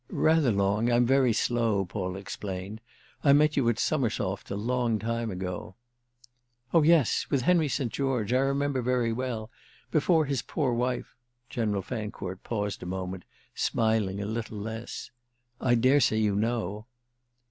"Rather long. I'm very slow." Paul explained. "I met you at Summersoft a long time ago." "Oh yes—with Henry St. George. I remember very well. Before his poor wife—" General Fancourt paused a moment, smiling a little less. "I dare say you know."